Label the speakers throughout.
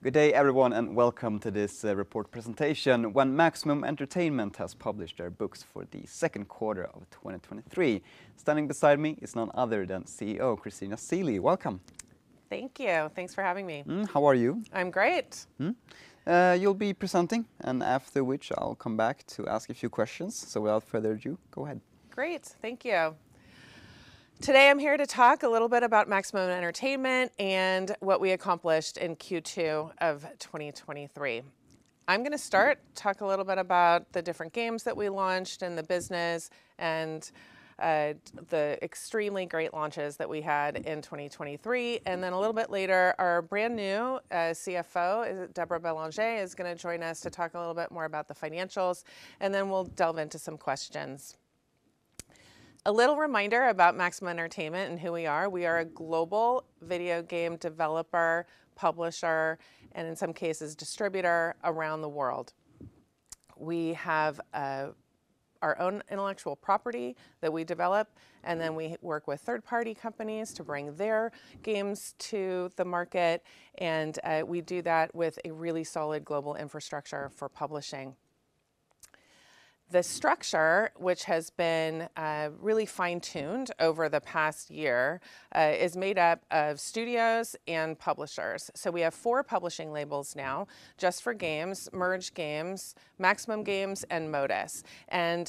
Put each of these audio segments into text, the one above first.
Speaker 1: Good day, everyone, welcome to this report presentation when Maximum Entertainment has published their books for the second quarter of 2023. Standing beside me is none other than CEO, Christina Seelye. Welcome.
Speaker 2: Thank you. Thanks for having me.
Speaker 1: How are you?
Speaker 2: I'm great.
Speaker 1: You'll be presenting, and after which, I'll come back to ask a few questions. Without further ado, go ahead.
Speaker 2: Great. Thank you. Today, I'm here to talk a little bit about Maximum Entertainment and what we accomplished in Q2 of 2023. I'm gonna start, talk a little bit about the different games that we launched and the business, and the extremely great launches that we had in 2023, and then a little bit later, our brand-new CFO, Deborah Bellangé, is gonna join us to talk a little bit more about the financials, and then we'll delve into some questions. A little reminder about Maximum Entertainment and who we are. We are a global video game developer, publisher, and in some cases, distributor around the world. We have our own intellectual property that we develop, and then we work with third-party companies to bring their games to the market, and we do that with a really solid global infrastructure for publishing. The structure, which has been really fine-tuned over the past year, is made up of studios and publishers. We have four publishing labels now, Just For Games, Merge Games, Maximum Games, and Modus.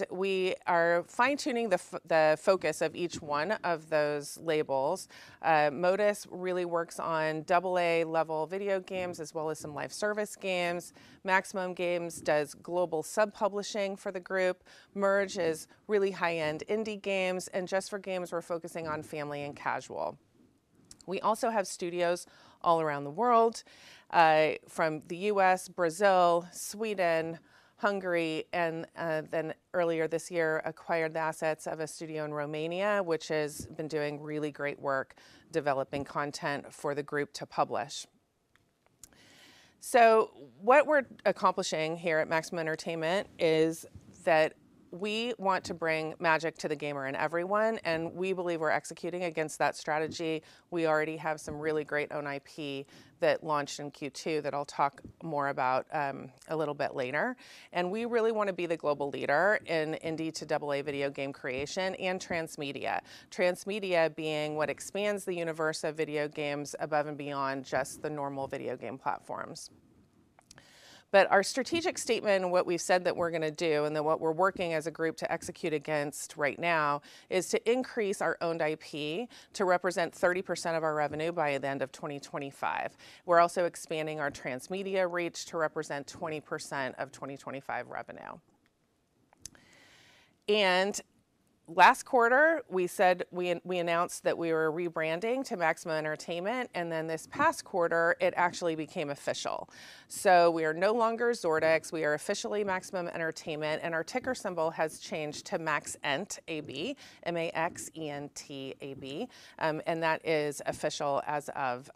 Speaker 2: We are fine-tuning the focus of each one of those labels. Modus really works on Double-A level video games, as well as some live service games. Maximum Games does global sub-publishing for the group. Merge is really high-end indie games, and Just For Games, we're focusing on family and casual. We also have studios all around the world, from the U.S., Brazil, Sweden, Hungary, and then earlier this year, acquired the assets of a studio in Romania, which has been doing really great work developing content for the group to publish. What we're accomplishing here at Maximum Entertainment is that we want to bring magic to the gamer and everyone, and we believe we're executing against that strategy. We already have some really great own IP that launched in Q2 that I'll talk more about a little bit later. We really want to be the global leader in indie to double-A video game creation and transmedia. Transmedia being what expands the universe of video games above and beyond just the normal video game platforms. Our strategic statement, what we've said that we're going to do, and then what we're working as a group to execute against right now, is to increase our owned IP to represent 30% of our revenue by the end of 2025. We're also expanding our transmedia reach to represent 20% of 2025 revenue. Last quarter, we announced that we were rebranding to Maximum Entertainment. This past quarter, it actually became official. We are no longer Zordix, we are officially Maximum Entertainment, and our ticker symbol has changed to MAXENTAB, M-A-X-E-N-T-A-B, and that is official as of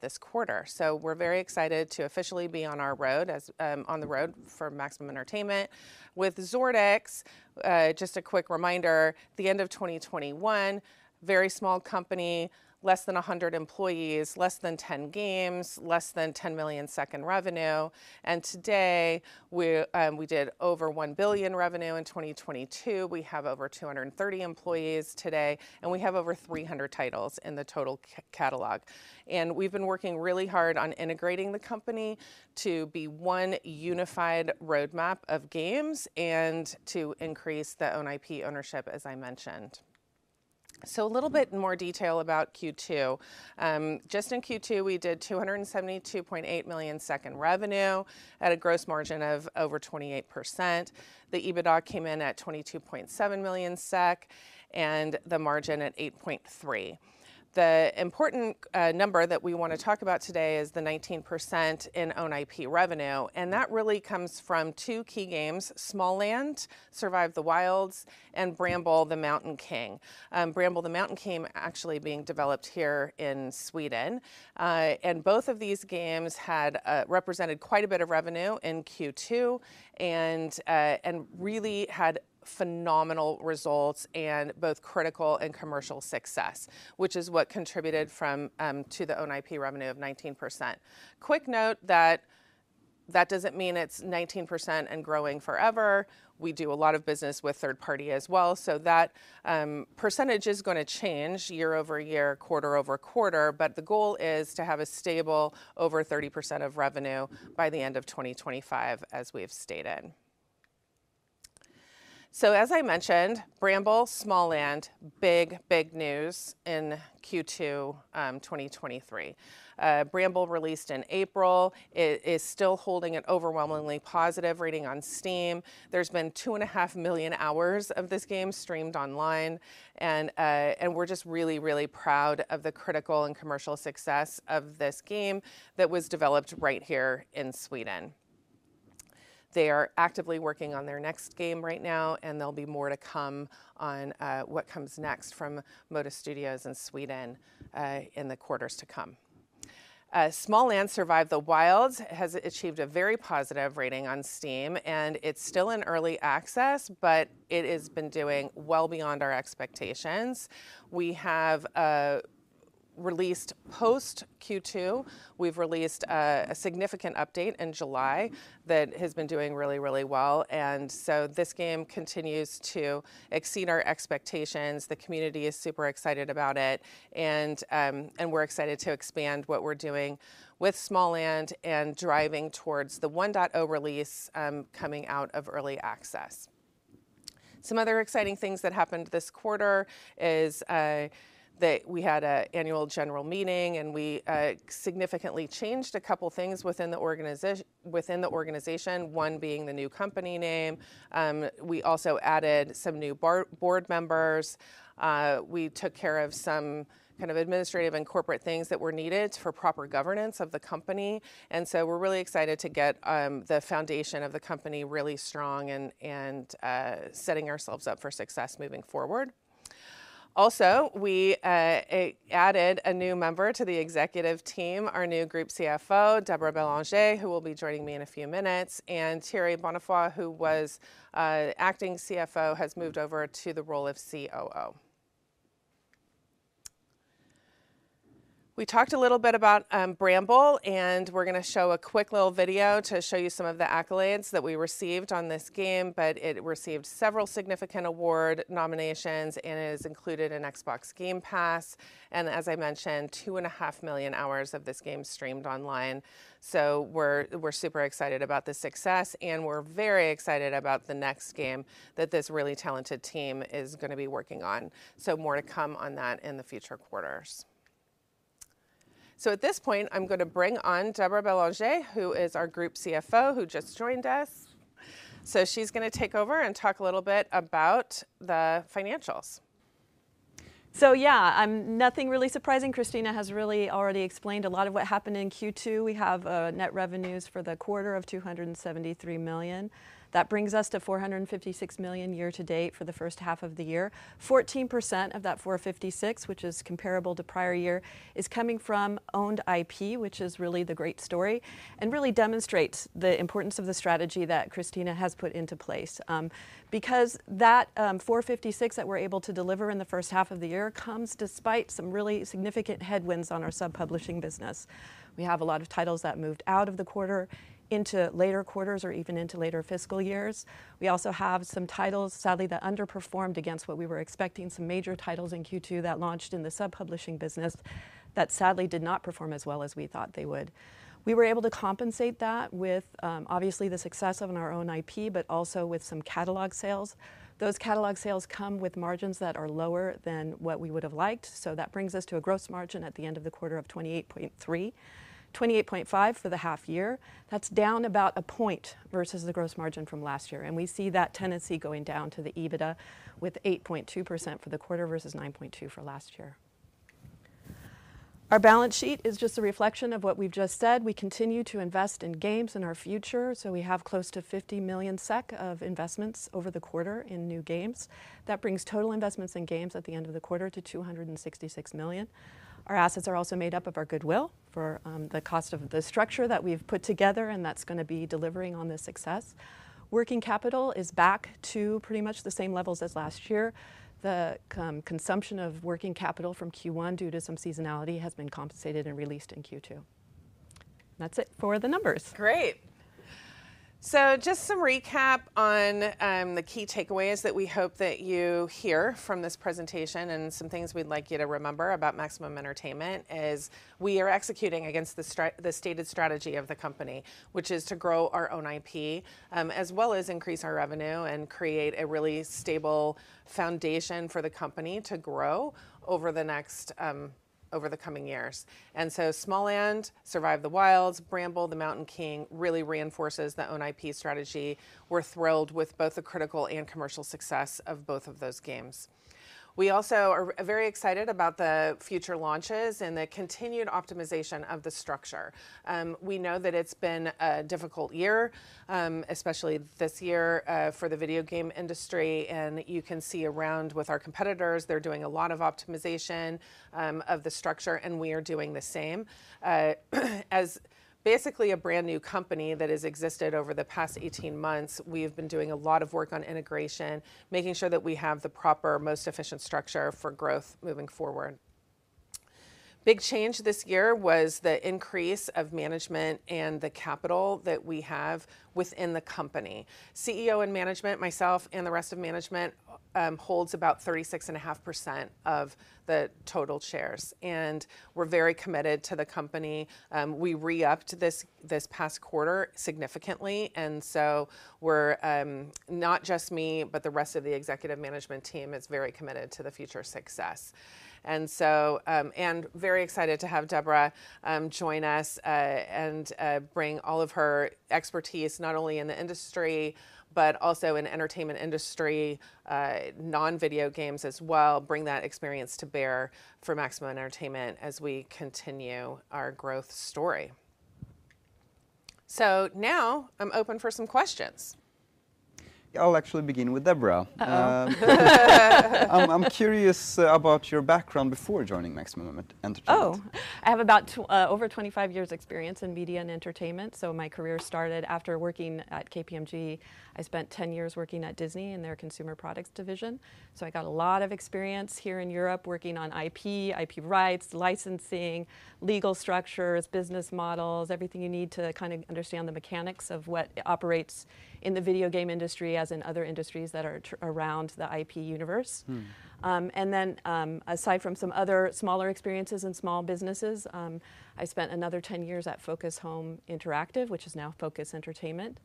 Speaker 2: this quarter. We're very excited to officially be on our road as on the road for Maximum Entertainment. With Zordix, just a quick reminder, the end of 2021, very small company, less than 100 employees, less than 10 games, less than 10 million revenue. Today, we did over 1 billion revenue in 2022. We have over 230 employees today, and we have over 300 titles in the total catalog. We've been working really hard on integrating the company to be one unified roadmap of games and to increase the own IP ownership, as I mentioned. A little bit more detail about Q2. Just in Q2, we did 272.8 million revenue at a gross margin of over 28%. The EBITDA came in at 22.7 million SEK, and the margin at 8.3%. The important number that we want to talk about today is the 19% in own IP revenue, and that really comes from two key games: Smalland: Survive the Wilds and Bramble: The Mountain King. Bramble: The Mountain King actually being developed here in Sweden. Both of these games had represented quite a bit of revenue in Q2 and really had phenomenal results in both critical and commercial success, which is what contributed from to the own IP revenue of 19%. Quick note that that doesn't mean it's 19% and growing forever. We do a lot of business with third party as well, so that percentage is gonna change year-over-year, quarter-over-quarter, but the goal is to have a stable over 30% of revenue by the end of 2025, as we have stated. As I mentioned, Bramble, Smalland, big, big news in Q2, 2023. Bramble released in April. It is still holding an overwhelmingly positive rating on Steam. There's been 2.5 million hours of this game streamed online, and we're just really, really proud of the critical and commercial success of this game that was developed right here in Sweden. They are actively working on their next game right now, and there'll be more to come on what comes next from Modus Studios in Sweden in the quarters to come. Smalland: Survive the Wilds has achieved a very positive rating on Steam, and it's still in early access, but it has been doing well beyond our expectations. We have released post Q2, we've released a significant update in July that has been doing really, really well. This game continues to exceed our expectations. The community is super excited about it, and, and we're excited to expand what we're doing with Smalland and driving towards the 1.0 release, coming out of early access. Some other exciting things that happened this quarter is that we had a annual general meeting, and we significantly changed a couple things within the organization, one being the new company name. We also added some new board members. We took care of some kind of administrative and corporate things that were needed for proper governance of the company, and so we're really excited to get the foundation of the company really strong and, and setting ourselves up for success moving forward. We added a new member to the executive team, our new group CFO, Deborah Bélanger, who will be joining me in a few minutes, and Thierry Bonnefoy, who was acting CFO, has moved over to the role of COO. We talked a little bit about Bramble, and we're gonna show a quick little video to show you some of the accolades that we received on this game, but it received several significant award nominations and is included in Xbox Game Pass, and as I mentioned, 2.5 million hours of this game streamed online. We're, we're super excited about this success, and we're very excited about the next game that this really talented team is gonna be working on. More to come on that in the future quarters. At this point, I'm gonna bring on Deborah Bellangé, who is our Group CFO, who just joined us. She's gonna take over and talk a little bit about the financials.
Speaker 3: Yeah, nothing really surprising. Christina has really already explained a lot of what happened in Q2. We have net revenues for the quarter of 273 million. That brings us to 456 million year to date for the first half of the year. 14% of that 456 million, which is comparable to prior year, is coming from owned IP, which is really the great story and really demonstrates the importance of the strategy that Christina has put into place. Because that 456 million that we're able to deliver in the first half of the year comes despite some really significant headwinds on our sub-publishing business. We have a lot of titles that moved out of the quarter into later quarters or even into later fiscal years. We also have some titles, sadly, that underperformed against what we were expecting, some major titles in Q2 that launched in the sub-publishing business that sadly did not perform as well as we thought they would. We were able to compensate that with, obviously the success of our own IP, also with some catalog sales. Those catalog sales come with margins that are lower than what we would have liked, that brings us to a gross margin at the end of the quarter of 28.3%. 28.5% for the half year. That's down about a point versus the gross margin from last year. We see that tendency going down to the EBITDA with 8.2% for the quarter versus 9.2% for last year. Our balance sheet is just a reflection of what we've just said. We continue to invest in games and our future. We have close to 50 million SEK of investments over the quarter in new games. That brings total investments in games at the end of the quarter to 266 million. Our assets are also made up of our goodwill for the cost of the structure that we've put together, and that's gonna be delivering on the success. Working capital is back to pretty much the same levels as last year. The consumption of working capital from Q1 due to some seasonality has been compensated and released in Q2. That's it for the numbers.
Speaker 2: Great! Just some recap on the key takeaways that we hope that you hear from this presentation and some things we'd like you to remember about Maximum Entertainment is we are executing against the stated strategy of the company, which is to grow our own IP, as well as increase our revenue and create a really stable foundation for the company to grow over the next, over the coming years. Smalland: Survive the Wilds, Bramble: The Mountain King, really reinforces the own IP strategy. We're thrilled with both the critical and commercial success of both of those games. We also are, are very excited about the future launches and the continued optimization of the structure. We know that it's been a difficult year, especially this year, for the video game industry. You can see around with our competitors, they're doing a lot of optimization of the structure. We are doing the same. As basically a brand-new company that has existed over the past 18 months, we've been doing a lot of work on integration, making sure that we have the proper, most efficient structure for growth moving forward. Big change this year was the increase of management and the capital that we have within the company. CEO and management, myself, and the rest of management, holds about 36.5% of the total shares. We're very committed to the company. We re-upped this, this past quarter significantly, and so we're not just me, but the rest of the executive management team is very committed to the future success. Very excited to have Deborah join us and bring all of her expertise, not only in the industry, but also in entertainment industry, non-video games as well, bring that experience to bear for Maximum Entertainment as we continue our growth story. Now I'm open for some questions.
Speaker 1: I'll actually begin with Deborah.
Speaker 3: Uh-oh.
Speaker 1: I'm curious about your background before joining Maximum Entertainment.
Speaker 3: I have about over 25 years experience in media and entertainment. My career started after working at KPMG. I spent 10 years working at Disney in their consumer products division, so I got a lot of experience here in Europe working on IP, IP rights, licensing, legal structures, business models, everything you need to kind of understand the mechanics of what operates in the video game industry, as in other industries that are around the IP universe.
Speaker 1: Mm.
Speaker 3: Then, aside from some other smaller experiences in small businesses, I spent another 10 years at Focus Home Interactive, which is now Focus Entertainment,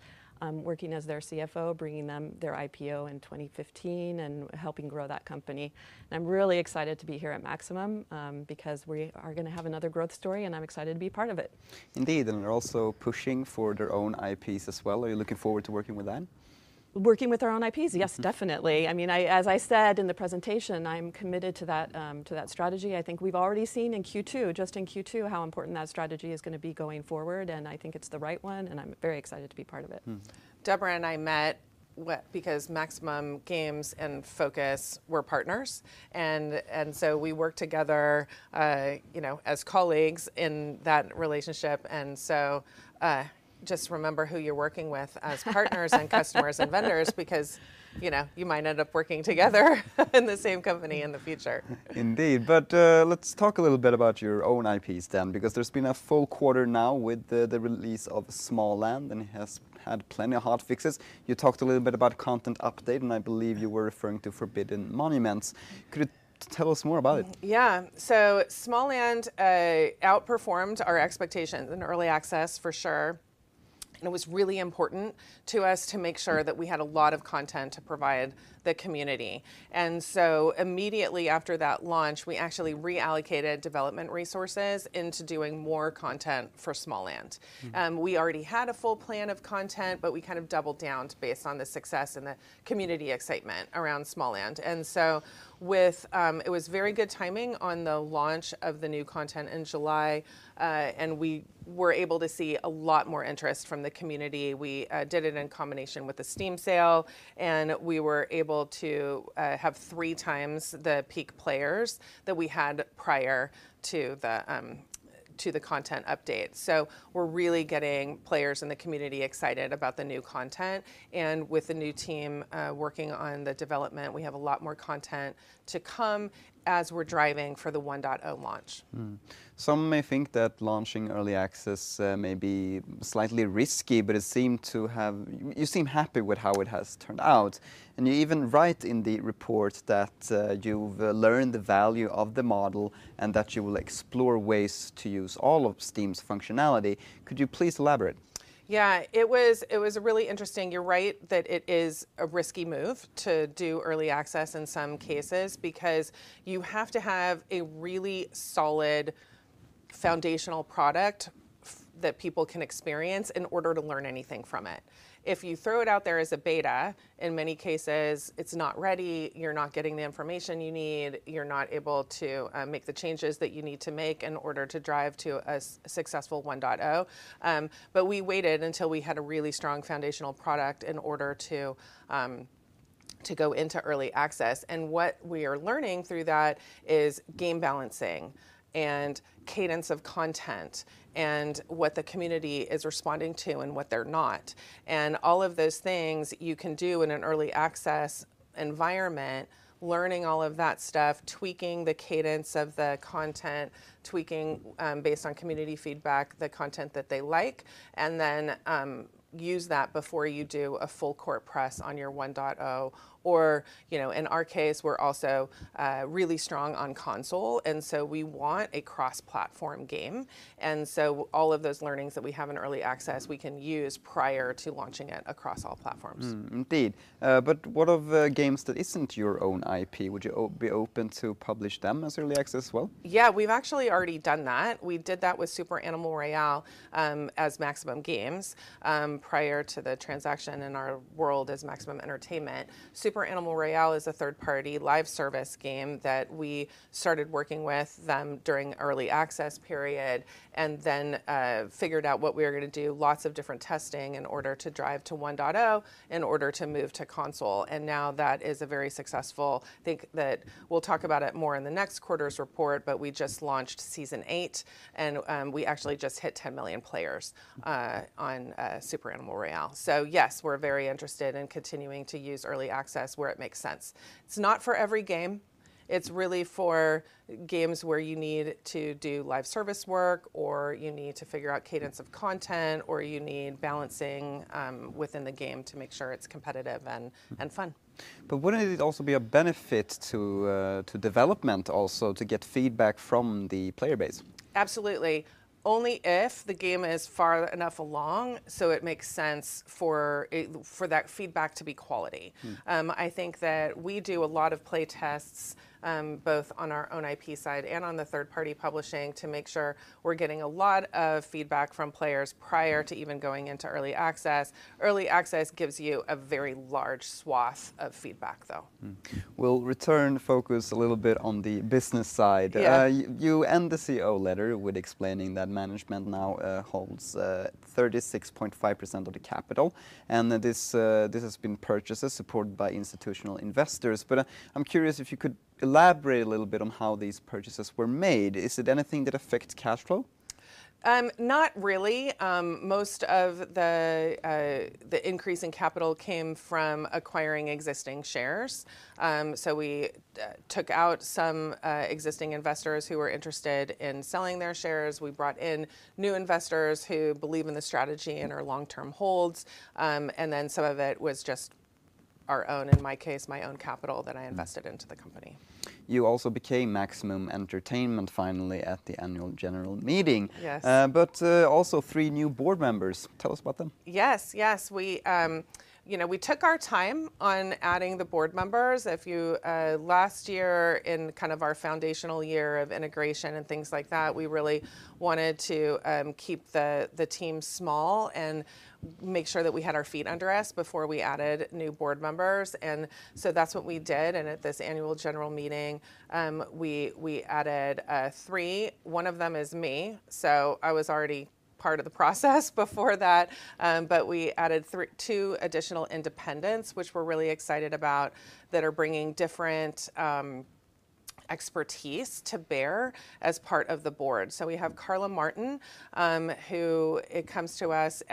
Speaker 3: working as their CFO, bringing them their IPO in 2015, and helping grow that company. I'm really excited to be here at Maximum, because we are gonna have another growth story, and I'm excited to be part of it.
Speaker 1: Indeed, and they're also pushing for their own IPs as well. Are you looking forward to working with that?
Speaker 3: Working with our own IPs?
Speaker 1: Mm-hmm.
Speaker 3: Yes, definitely. I mean, as I said in the presentation, I'm committed to that strategy. I think we've already seen in Q2, just in Q2, how important that strategy is gonna be going forward. I think it's the right one. I'm very excited to be part of it.
Speaker 1: Mm.
Speaker 2: Deborah Bélanger and I met, because Maximum Games and Focus were partners, and so we worked together, you know, as colleagues in that relationship. Just remember who you're working with as partners-... and customers and vendors, because, you know, you might end up working together in the same company in the future.
Speaker 1: Indeed. let's talk a little bit about your own IPs then, because there's been a full quarter now with the, the release of Smalland, and it has had plenty of hot fixes. You talked a little bit about content update, and I believe you were referring to Forbidden Monuments. Could you tell us more about it?
Speaker 2: Yeah. Smalland outperformed our expectations in early access, for sure, and it was really important to us to make sure that we had a lot of content to provide the community. So immediately after that launch, we actually reallocated development resources into doing more content for Smalland.
Speaker 1: Mm.
Speaker 2: We already had a full plan of content, but we kind of doubled down based on the success and the community excitement around Smalland. It was very good timing on the launch of the new content in July, and we were able to see a lot more interest from the community. We did it in combination with the Steam sale, and we were able to have three times the peak players that we had prior to the content update. We're really getting players in the community excited about the new content, and with the new team working on the development, we have a lot more content to come as we're driving for the 1.0 launch.
Speaker 1: Some may think that launching early access may be slightly risky, but it seemed to have... Y- you seem happy with how it has turned out, and you even write in the report that you've learned the value of the model and that you will explore ways to use all of Steam's functionality. Could you please elaborate?
Speaker 2: Yeah. It was, it was really interesting. You're right that it is a risky move to do early access in some cases, because you have to have a really solid foundational product that people can experience in order to learn anything from it. If you throw it out there as a beta, in many cases, it's not ready, you're not getting the information you need, you're not able to make the changes that you need to make in order to drive to a successful 1.0. We waited until we had a really strong foundational product in order to go into early access. What we are learning through that is game balancing, and cadence of content, and what the community is responding to and what they're not. All of those things you can do in an early access environment, learning all of that stuff, tweaking the cadence of the content, tweaking, based on community feedback, the content that they like, and then, use that before you do a full court press on your 1.0. You know, in our case, we're also, really strong on console, so we want a cross-platform game. So all of those learnings that we have in early access-
Speaker 1: Mm...
Speaker 2: we can use prior to launching it across all platforms.
Speaker 1: Indeed. What of games that isn't your own IP? Would you be open to publish them as early access as well?
Speaker 2: Yeah, we've actually already done that. We did that with Super Animal Royale, as Maximum Games, prior to the transaction in our world as Maximum Entertainment. Super Animal Royale is a third-party live service game that we started working with them during early access period, then figured out what we were gonna do, lots of different testing in order to drive to 1.0 in order to move to console. Now that is a very successful... I think that we'll talk about it more in the next quarter's report, but we just launched Season Eight, we actually just hit 10 million players-
Speaker 1: Mm...
Speaker 2: on Super Animal Royale. Yes, we're very interested in continuing to use early access where it makes sense. It's not for every game. It's really for games where you need to do live service work, or you need to figure out cadence of content, or you need balancing within the game to make sure it's competitive and, and fun.
Speaker 1: Wouldn't it also be a benefit to to development also, to get feedback from the player base?
Speaker 2: Absolutely. Only if the game is far enough along, so it makes sense for that feedback to be quality.
Speaker 1: Mm.
Speaker 2: I think that we do a lot of play tests, both on our own IP side and on the third-party publishing, to make sure we're getting a lot of feedback from players prior-
Speaker 1: Mm...
Speaker 2: to even going into early access. Early access gives you a very large swath of feedback, though.
Speaker 1: Mm. We'll return focus a little bit on the business side.
Speaker 2: Yeah.
Speaker 1: You, you and the CEO letter with explaining that management now holds 36.5% of the capital, and that this, this has been purchases supported by institutional investors. I'm curious if you could elaborate a little bit on how these purchases were made. Is it anything that affects cash flow?
Speaker 2: Not really. Most of the increase in capital came from acquiring existing shares. We took out some existing investors who were interested in selling their shares. We brought in new investors who believe in the strategy and are long-term holds. Then some of it was just our own, in my case, my own capital that I invested into the company.
Speaker 1: You also became Maximum Entertainment finally at the annual general meeting.
Speaker 2: Yes.
Speaker 1: Also three new board members. Tell us about them.
Speaker 2: Yes, yes. We, you know, we took our time on adding the board members. If you last year in kind of our foundational year of integration and things like that, we really wanted to keep the team small and make sure that we had our feet under us before we added new board members. So that's what we did, and at this annual general meeting, we added three. One of them is me, so I was already part of the process before that. We added two additional independents, which we're really excited about, that are bringing different expertise to bear as part of the board. We have Carla Martin, who it comes to us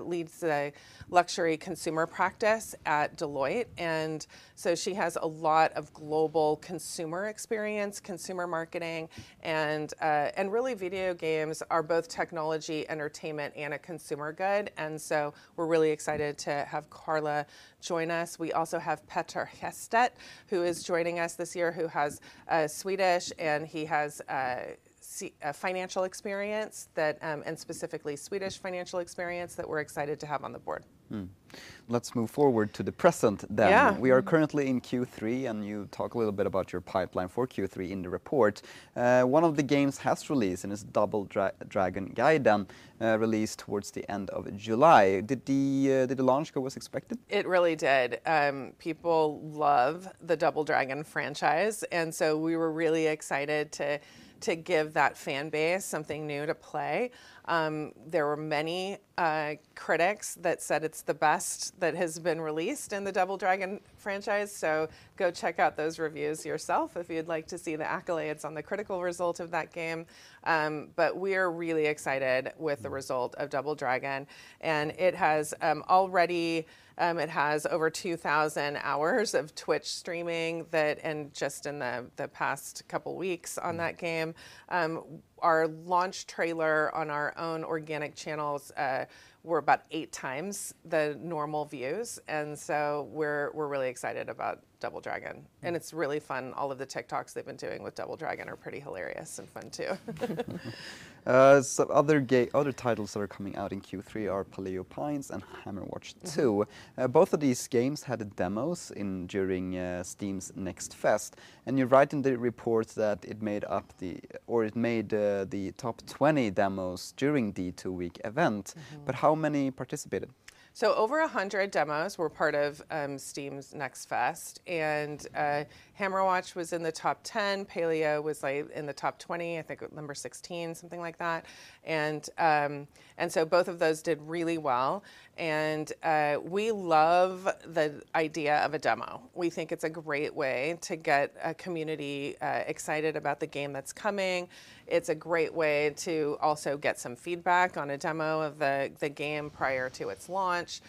Speaker 2: leads the luxury consumer practice at Deloitte, and so she has a lot of global consumer experience, consumer marketing. Really video games are both technology, entertainment, and a consumer good, and so we're really excited to have Carla join us. We also have Petter Hestad, who is joining us this year, who has Swedish, and he has financial experience that and specifically Swedish financial experience, that we're excited to have on the board.
Speaker 1: Mm. Let's move forward to the present then.
Speaker 2: Yeah.
Speaker 1: We are currently in Q3, and you talk a little bit about your pipeline for Q3 in the report. One of the games has released, and it's Double Dragon Gaiden, released towards the end of July. Did the launch go as expected?
Speaker 2: It really did. People love the Double Dragon franchise, we were really excited to, to give that fan base something new to play. There were many critics that said it's the best that has been released in the Double Dragon franchise, go check out those reviews yourself if you'd like to see the accolades on the critical result of that game. We're really excited with the-
Speaker 1: Mm...
Speaker 2: result of Double Dragon, and it has already, it has over 2,000 hours of Twitch streaming and just in the, the past couple weeks on that game.
Speaker 1: Mm.
Speaker 2: Our launch trailer on our own organic channels, were about eight times the normal views, and so we're, we're really excited about Double Dragon.
Speaker 1: Mm.
Speaker 2: It's really fun. All of the TikToks they've been doing with Double Dragon are pretty hilarious and fun, too.
Speaker 1: Other titles that are coming out in Q3 are Paleo Pines and Hammerwatch 2.
Speaker 2: Mm.
Speaker 1: Both of these games had demos in during Steam Next Fest, and you write in the report that it made the top 20 demos during the 2-week event.
Speaker 2: Mm-hmm.
Speaker 1: How many participated?
Speaker 2: Over 100 demos were part of Steam Next Fest. Hammerwatch was in the top 10. Paleo was, like, in the top 20, I think at number 16, something like that. Both of those did really well. We love the idea of a demo. We think it's a great way to get a community excited about the game that's coming. It's a great way to also get some feedback on a demo of the, the game prior to its launch.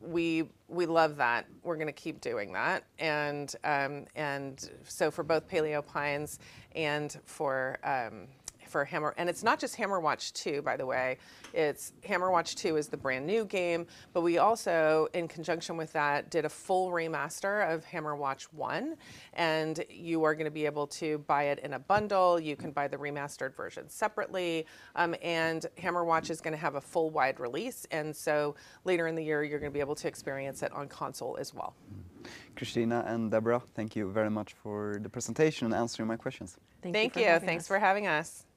Speaker 2: We, we love that. We're gonna keep doing that. For both Paleo Pines and for Hammer- and it's not just Hammerwatch 2, by the way. It's... Hammerwatch 2 is the brand-new game. We also, in conjunction with that, did a full remaster of Hammerwatch 1. You are gonna be able to buy it in a bundle. You can buy the remastered version separately. Hammerwatch is gonna have a full wide release. So later in the year, you're gonna be able to experience it on console as well.
Speaker 1: Christina and Deborah, thank you very much for the presentation and answering my questions.
Speaker 2: Thank you for having us. Thank you. Thanks for having us.